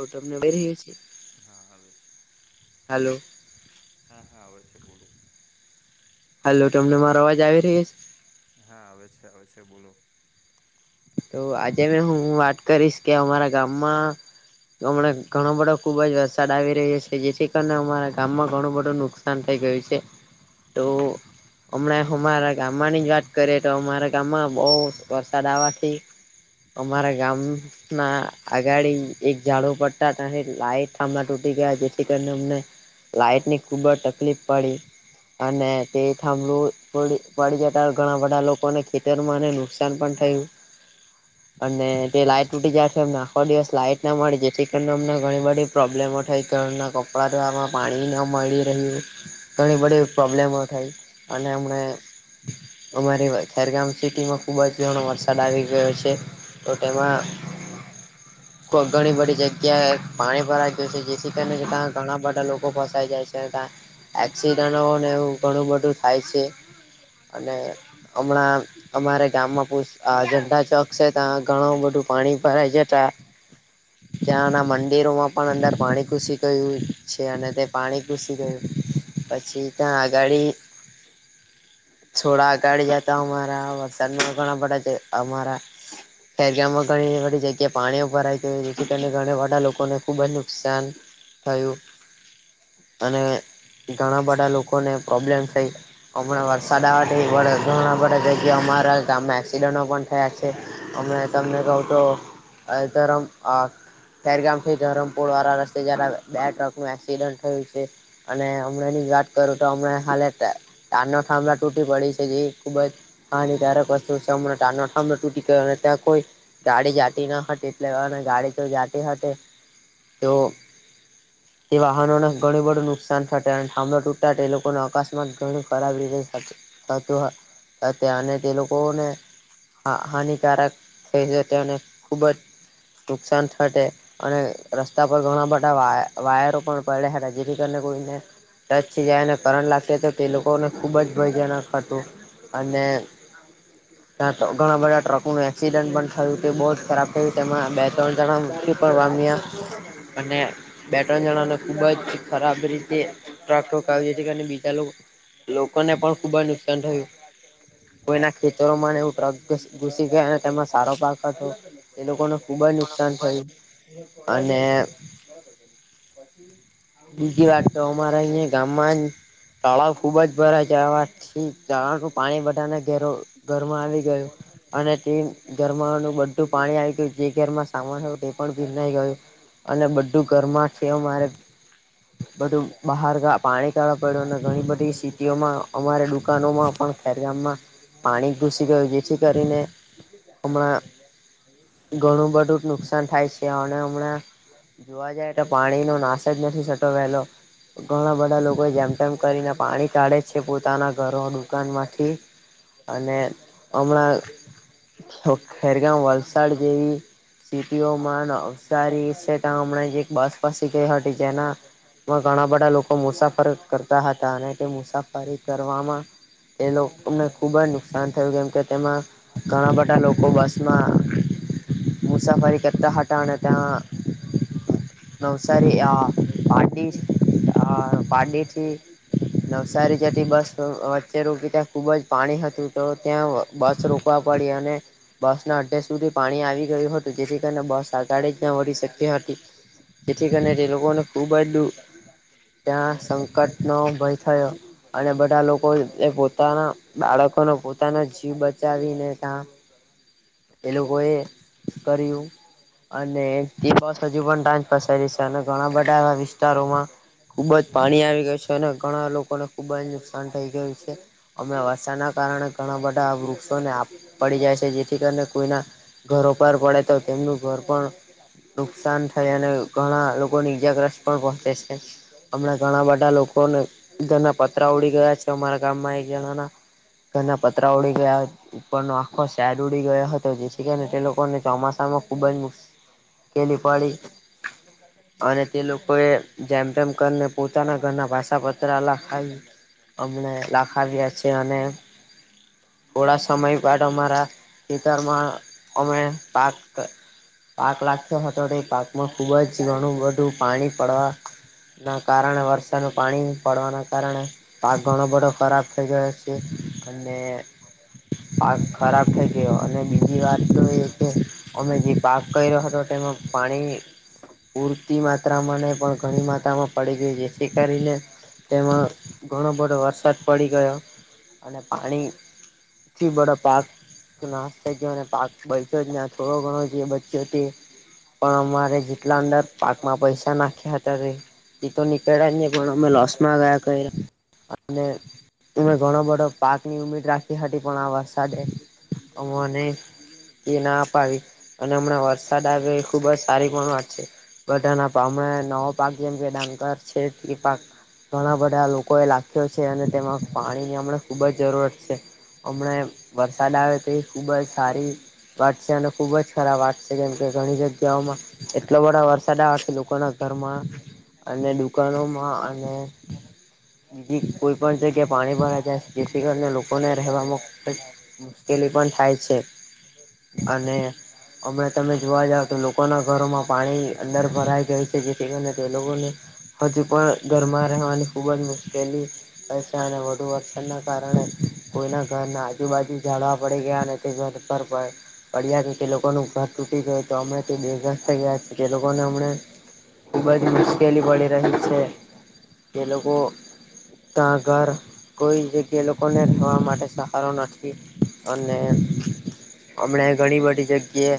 તો તમને આવી હા, આવે છે. હલો. હા, હા, આવે છે, બોલું. હાલો, તમને મારો અવાજ આવી રહી છે? હા, આવે છે, આવે છે, બોલો. તો આજે મે હું વાત કરીશ કે, અમારા ગામમાં હમણાં ઘણો બધો ખુબ જ વરસાદ આવી રહ્યો છે, જેથી કરીને અમારા ગામમાં ઘણું બધું નુકસાન શા થઈ ગયું છે. તો [unintelligible] હમણાં અમારા ગામમાંની જ વાત કરીએ, તો અમારા ગામમાં બહુ વરસાદ આવવા તે અમારા ગામ ના આગાડી એક ઝાડુ પડતા ત લાઈટ થાંણા તૂટી ગયા, જેથી કરીને અમને લાઈટ ની ખૂબ જ તકલીફ પડી. અને તે થાંભળુંડી પડી જતા, ઘણા બધા લોકોને ખેતરમાંને નુકસાન પણ થયું. અને તે લાઈટ તૂટી જાય છે, મને આખો દિવસ લાઈટ ના મળે, જેથી કરીને અમને ઘણી બ પ્રોબ્લેમો થાયણ ના કપડા ધોવા માં પાણી ન મળી રહ્યું. ઘણી બધી પ્રોબ્લેમો થઇ, અને એમણે અમારી ખેરગામ સિટી માં ખુબ જ જણાો વરસાદ આવી ગયો. ગયો છે, તો તેમાં ઘણી બધી જગ્યા પાણી ભરાઈ ગય છે, જેથી કરી ત્યા ઘણા બધા લોકો ફસાય જાય છે. એક્સિડન્ટને એવું ઘણું બધું થાય છે. અને હમણાં અમારે ગામમાં પ અજંડા શોખ છે, ત ઘણું બધું પાણી ભરાય જતા. ત્યાંના મંદિરોમાં પણ અંદર પાણી ઘુસી ગયું છે, અને તે પાણી ઘુસી ગયું. પછી ત્યાં આગાડી છોડાગાઢ જતા અમા વર્તન કર પ અમા ખેરગામમાં ઘણી જગ્યા પાણીઓ ભરાય ગયા, જેથી કરીને ઘણાવાડાા લોકોને ખુબ જ નુકસાન થયું, અને ઘણા બધા લોકોને પ્રોબ્લેમ થઈ. હમણાં વરસાદ આવવાથી વ ઘણા બધા જગ્યા અમારા ગમે એક્સિડેન્ટો પણ થયા છે. અ તમને કહું તો અધરમ આ- - [unintelligible] ખેરગામથી ધરમપુર વાળા રસ્તે જલા બે ટ્રકનું એક્સિડન્ટ થયું છે. અને હમણાં ની વાત કરું તો, હમણા હા. તનો થાંભળ તૂટી પડી છે, જે ખુબ જ હાનિકારક વસ્તુ છે, મનો થાંડો ત્યાં કોઈ ગાડી જાતી ન હતી, એટલે ગાડી તો જાતી હતી. તો. એ વાહનોને ઘણી બડું નુકસાન થશે, અને થાંળો તૂટા એ લોકોને અકસ્માત ઘણી ખરાબ રીતે તો ત્યાંને તે લોકોને હાનિકારક થાય છે, તેમને ખૂબ જ નુકસાન થતે. અને રસ્તા પર ઘણા બધા વાયરો પણ પડ્યા હતા, જેથી કરીને કોઈને ટચ થી જાયને કરંટ લાગતી તો, તે લોકોને ખુબ જ ભયજનક હતું. અને ત્યાં તો ઘણા બધા ટ્રકનું એક્સિડન્ટ પણ થયું હતું, બહુ જ ખરાબ થયું, તેમાં બે ત્રણ જણા મૃત્યુ પામ્યા. અને બે-ત્રણ જણાને ખુબ જ ખરાબ રીતે ટ્રોકાવ છે, બીજા લોકોને પણ ખુબ જ નુકસાન થયું. કોઈના ખેતરોમાં એવું ટ્રગ ઘુસી ગયા, અને તેમાં સારો પાક હતો એ લોકોને ખુબ જ નુકસાન ખુબાની થયું. અને બીજી વાત તો અમારા અહિયાયા ગામમાં જ તળાવ ખુબ જ ભરાઈ જવાના છે, કારણ કે પાણી બધાને ઘેરો ઘરમાં આવી ગયો. અને તે ઘરમાનું બધું પાણી આવી ગયું, જે ઘરમાં સામાન હોય તે, પણ ભીનાઈ ગયું. અને બધું ઘરમાં છે મારે. બધું બહાર પાણી કાઢવા પડ્યું, અને ઘણી બધી સિટીઓમાં અમારે દુકાનોમાં પણ ગામમાં પાણી ઘુસી ગયું, જેથી કરીને હમણાં ઘણું બધું ક નુકસાન થાય છે, અને હમણાં જોવા જાય તો, પાણીનો નાશ જ નથી થતો વહેલો. ઘણા બધા લોકો જેમ તેમ કરીને પાણી કાઢે છે, પોતાના ઘરો, દુકાનોમાંથી. અને હમણાં તો ખેરગામ, વલસાડ જેવી સિટીઓમાં નવસારી છે, તા હમણાં જ એક બસ ફસી ગઈ હતી, જેના માં ઘણા બધા લોકો મુસાફરી કરતા હતા, અને તે મુસાફરી કરવામાં એ લોકોને ખુબ જ નુકસાન થયું, કેમ કે તેમાં ઘણા બધા લોકો બસમાં મુસાફરી કરતા હતા ને ત્યાં. નવસારી આ, પારડી આ, પારડીથી નવસારી જતી બસ વચ્ચે રોકી, ત્યાં ખુબ જ પાણી હતું, તો ત્યાં બસ રો કવા પડી અને બસ ના અડધે સુધી પાણી આવી ગયું હતું, જેથી કરીને બસ આગળ જ ન વધી શકતી હતી. તેથી કરીને, તે લોકો ને ખુબ જ દું ત્યાં સંકટનો ભય થયો. અને બધા લોકોએ પોતાના બાળકોનો પોતાના જીવ બચાવીને ત્યાં એ લોકોએ કર્યું. અને એ બસ હજુ પણ ત્યાજ ફસાયેલી છે, અને ઘણા બધા એવા વિસ્તારોમાં ખુબ જ પાણી આવી ગયું છે, અને ઘણા લોકોને ખુબ જ નુકસાન થઇ ગયું છે. અમે વરસાદના કારણે ઘણા બધા વૃક્ષોને આપ પડી જાય છે, જેથી થી કરીને, કોઈના ઘરો પર પડે, તો તેમનું ઘર પણ નુકસાન થાય, અને ઘણા લોકોને ઈજાગ્રસ્ત પણ પહોંચે છે. હમણાં ઘણા બધા લોકોને ઘરના પતરા ઉડી ગયા છે, અમારા ગામમાં એક જણા ના ઘરના પતરા ઉડી ગયા, ઉપર નો આખો સેટ ઉડી ગયો હતો, જેથી કરીને, તે લોકોને ચોમાસામાં ખુબ જ મુ સ્કેલી પડી. અને તે લોકો એ જેમ તેમ કરીને, પોતાના ઘરના પાસા પતરા લખાવ્યા. અમને લખાવ્યા છે, અને થોડા સમય બાદ અમારા ખેતરમાં અમે પાક પાક લાખ્યો હતો, તે પાકમાં ખુબ જ ઘણું બધું પાણી પડવા ના, કારણે વરસાદનું પાણી પડવાના કારણે પાક ઘણો બધો ખરાબ થઈ ગયો છે, અને પાક ખરાબ થઈ. અને બીજી વાત કરું તો, એ કે અમે જે પાક કર્યો હતો, તેમાં પાણી પૂરતી માત્રામાં નઈ પણ ઘણી માત્રામાં પડી ગઈ, જેથી કરીને તેમાં ઘણો બધો વરસાદ પડી ગયો. અને પાણી થી બધો પાક નાશ થઈ ગયો, અને પાક બચયો જ નહીં, આ થોડો ઘણો જે બચ્યો તે પણ અમારે જેટલા અંદર પાકમાં પૈસા નાખ્યા હતા, તે એ તો નીકળ્યા જ નહી, પણ અમે લોસમાં ગયા અને અમે ઘણો બધો પાકની ઉમીદ રાખી હતી, પણ આ વરસાદે અમને. એ ના અપાવી અને હમણાં વરસાદ આવ્યો એ ખુબ જ સારી પણ વાત છે. બધાના પામ નવો પાક જેમ કે ડાંગર છે, તે પાક ઘણા બધા લોકોએ લાખ્યો છે, અને તેમાં પાણી ની હમણાં ખુબ જ જરૂરત છે. હમણા વરસાદ આવે, તે એ ખુબ જ સારી વાટશે, અને ખૂબ જ ખરાબ વાટશે, કેમ કે ઘણી જગ્યાઓમાં એટલો બધા વરસાદથી લોકો ના ઘરમાં. અને દુકાનોમાં અને બીજી કોઈ પણણ જગ્યા પાણી ભરા જાય છે, જેથી કરી લોકોને રહેવા માટે. કેલી પણ થાય છે, અને હમણાં તમે જોવા જાવ, તો લોકોના ઘરોમાં પાણી અંદર ભરાઈ જાય છે, જેથી કરીને તો એ લોકોને હજુ પણ ઘરમાં રહેવાની ખુબ જ મુશ્કેલી પશે અને વધુ વરસાદ ના કારણે, કોઈના ઘર ના આજુબાજુ જાડવા પડી ગયા, તેડ પર પણ પડ્યા તો, તે લોકોનું ઘર તૂટી ગયું છે, અમે બે ઘસ થઈ ગયા છીએ તે, લોકોને અમને ખૂબ જ મુશ્કેલી પડી રહી છે. એ લોકો ત્યાં ઘર કોઈ જગ્યા લોકોને રહેવા માટે સહારો નથી. અને હમણા ઘણી બધી જગ્યાએ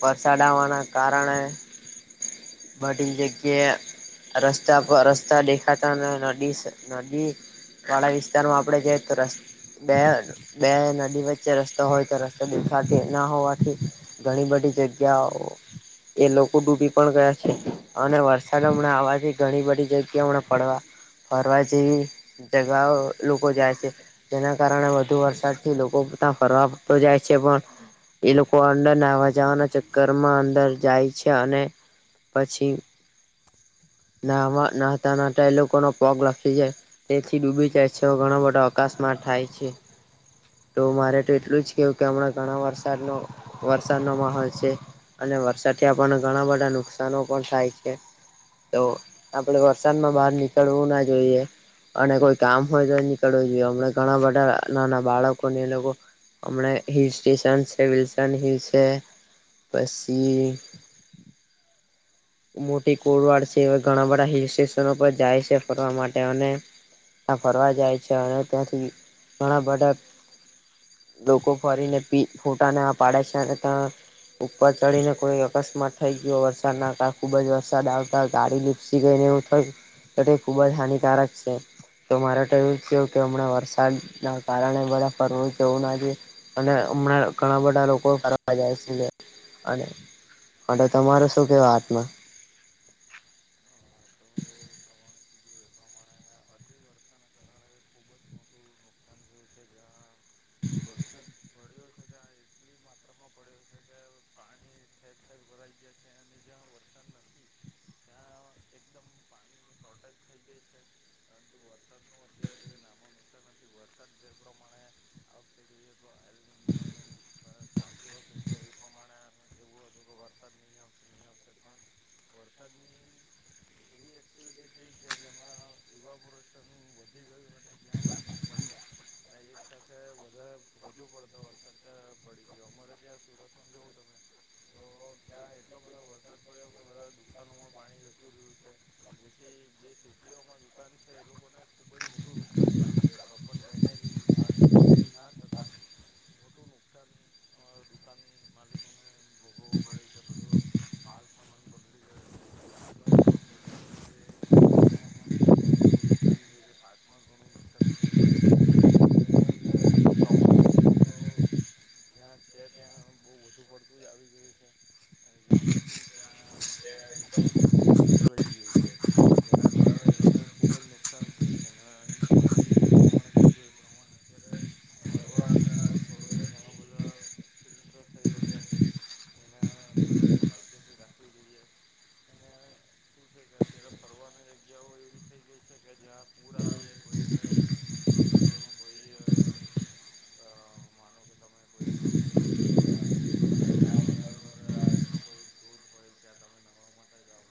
વરસાદ આવવાના કારણે બડી લગ્યા. રસ્તા પર રસ્તા દેખાતા, અને નદી-નદી વાળા વિસ્તારમાં આપણે જઈ તો, ર બે બે નદી વચ્ચે રસ્તો હોય, તો રસ્તો દેખાતી ના હોવાથી. ઘણી બધી જગ્યાઓ એ લોકો ડૂબી પણ ગયા છે, અને વરસાદ હમણાં આવાથી ઘણી બધી જગ્યા હમણાં પડવા. ફરવા જેવી જગાઓ લોકો જાય છે, જેના કારણે વધુ વરસાદ થી લોકો બધા ફરવાડતો જાય છે, પણ એ લોકો અંદરનેવા જવાના ચક્કર માં અંદર જાય છે, અને પછી નાના હતા, નાતા એ લોકોનો પગ લખી જાય. તેથી ડૂબી જાય છે, ઘણો બધા અકાશમાં થાય છે. તો મારે તો એટલું જ કેવું કે હમણાં ઘણા વરસાદનો વરસાદનો માહોલ છે. અને વરસાદથી આપણને ઘણા બધા નુકસાનો પણ થાય છે. તો આપડે વરસાદમાં બહાર નીકળવું ના જોઈએ. અને કોઈ કામ હોય તો, એ નીકળવું જોઈએ હમણા ઘણા બધા નાના બાળકોને એ લોકો હમણાં હિલ સ્ટેશન છે, વિલસન હિલ છે. પછી મોટી કોરવાડ છે, એ ઘણા બધા હિલ સ્ટેશનો પર જાય છે, ફરવા માટે અને ત્યા ફરવા જાય છે, અને ત્યાંથી ઘણા બધા લોકો ફરીને ફોટાને પાડે છે ત્યા. ઉપર ચડીને, કોઈ અકસ્માત થઈ ગયો, વરસાદ ના કાર ખુબ જ વરસાદ આવતા, ગાડી લીપસી ગઈને, એ થ ખુબ જ હાનિકારક છે. તો મારેવું છે કે, હમણા વરસાદ ના કારણે બધા ફરવું જવું ના. અને હમણાં ઘણા બધા લોકો ફરવા જાય છે, અને હટ તમારો શું કેવા હાથમાં? કમ પ્રમા [unintelligible] હું એ પ્રમાણે અઢ વર્ષ કારણે ખૂબ જ મોતર લોકસાન જો છે, જે વરસાદ પડ્યો છે, ત્યાં એટલી માત્રામાં પડ્યો છે કે, પાણી ઠેક થઠેક ભરાઈ ગયા છે, અને જ્યાં વરસાદ નથી. ત્યાં એકદમ પાણીની શોર્ટેજ થઈ ગઈ છે. પરંતુ વરસાદ ન અત્યારે કઈ નામો નુકસાન નથી, વરસાદ જે પ્રમાણે આવા જોઈએ તો એ ચાલતુ, હસુ, તો ક મ દવ હસુ તો વતા નિમ નિિયામસે પણ [unintelligible] વર્સા જ. એવી એક્ટિવિટી થઈ કે, જેમાં ઇવાપોરેશન વધી ગયું, અને અને જ્યાં વરસાદ પડ્યો. ત્યાં એક સાથે વધારે વધુ પડતો, વરસાદ ત્યાં પડી ગયો, અમારે ત્યાં સુરતમાં જઉ તમને તો ત્યાં એટલો બધો વરસાદ પડ્યો કે, બધા દુકાનોમાં પાણી જતું રહ્યું છે, જેથી જે સિટીઓમાં દુકાન છે, એ લોકોને ખૂબ જ મોટું નુકસાન થયું છે, પ્રોપર ડ્રેનેજ પાણી ડ્રેન ના થતાં મોટુ નુકસાન અ દુકાન માલિકને. ભોગવું પડ્યું છે, બધું માલ પણ બગડી ગયો. [unintelligible] ઘણું એવું [unintelligible] નુકસાન થયું છે, પાકમાં ઘણું નુકસાન થયું છે. જેના લીધે ચોમાસુ એક તો. જ્યાં છે, ત્યાં બહુ વધુ પડતું જ આવી ગયું છે. [unintelligible] ઓછું રહી ગયું છે, જેના કારણે બધાને ખૂબ જ નુકસાન થયું છે, ને તમે જે પ્રમાણે કીધું એ પ્રમાણે અત્યારે ફરવાના સ્થળોએ ઘણા બધા એક્સિડન્ટો થઈ રહ્યા છે, એને બધાએ સાવચેતી રાખવી જોઈએ. [inaudible] શું છે, કે અત્યારે ફરવાની જગ્યાઓ એવી થઈ ગઈ છે, કે જ્યાં પૂર આવી જાય કોઈક સમજો કે તમે કોઈ અ માનો કે તમે કોઈ ડુંગર ઉપર ગયા અને ત્યાં વધારે કોઈ દૂધ હોય ત્યાં તમે નહવા માટે જાવ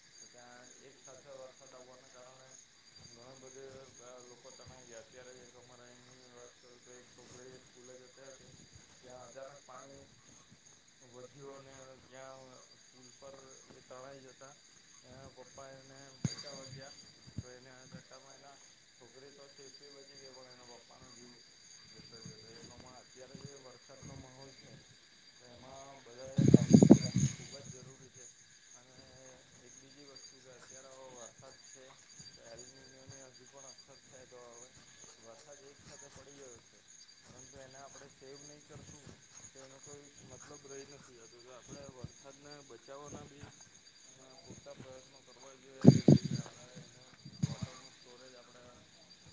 છો તો ત્યાં એક સાથે વરસાદ આવવાને કારણે ઘણી બધી લોકો તણાઈ ગયા અત્યારે જ એક અમારે એયાની વાત કરુ તો એક ટોકળે સ્કૂલે જતે હતી ત્યાં અચાનક પાણી વધ્યો અને ત્યાં પુલ પર એ તણાઈ જતા એના પપ્પા એને બચાવવા ગયા તો એને [unintelligible] માં એના છોકરી તો સેફલી બચી ગઈ પણ એના પપ્પાનો જીવ જતો રિયો તો એ [unintelligible] અત્યારે જે વરસાદનો માહોલ છે. એમાં બધાએ સાવચેતી રાખવી ખુબ જ જરૂરી છે. અને એક બીજી વસ્તુ કે અત્યારે વરસાદ છે, [unintelligible] છે, તો અવે વરસાદ એક સાથે પડી ગયો છે. પરંતુ એને આપણે સેવ નહી કરશું તો એનો કોઈ મતલબ રહી નથી તો આપડે વરસાદને બચાવવાના બી પૂરતા પ્રયત્નો કરવા જોઈએ જેવું કે આ પણે એને વોટરનું સ્ટોરેજ આપણે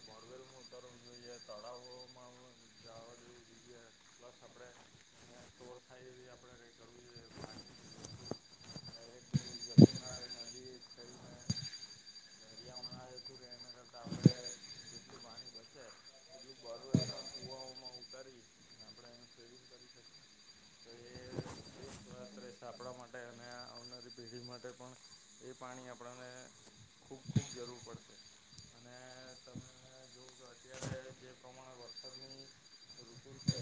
બોરવેલમાં ઉતરવું જોઈએ તળાવોમાં જાવા દેવું જોઈએ. પ્લસ આપણે એને સ્ટોર થાય એવી આપણે કંઈ કરવું જોઈએ પાણી [inaudible] દરિયામાં [unintelligible] એના કરતાં આપણે જેટલું પાણી બચે એટલું બરવેલમાં કુવાઓમાં ઉતારી આપણે એનું સેવિંગ કરી શકી તો એ [unintelligible] માટે અને આવનારી પેઢી માટે પણ એ પાણી આપણને ખૂબ ખૂબ જરૂર પડશે અને તમે જોવ તો અત્યારે જે પ્રમાણે વરસાદની ઋતુ છે,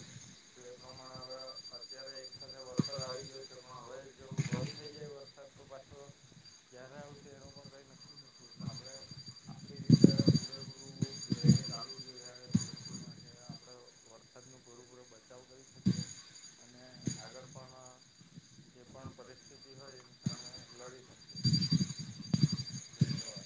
તો એ પ્રમાણે હવે અત્યારે એક સાથે વ રસાદ આવી ગયો છે, પણ હવે જો બંધ થઈ જાય વરસાદ તો પાછો ક્યારે આવશે એનું પણ કઈ નક્કી નથી એટલે આપણે આપડી રીતે પૂરેપૂરું લઈને ચાલવું જોઈએ સેફ્ટીમાટે આપણે વર સાદનુ પૂરેપૂરો બચાવ કરી શકીએ અને આગળ પણ જે પણ પરિસ્થિતિ હોય તમે લડી શકીએ ધન્યવાદ